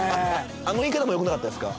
あの言い方もよくなかったですか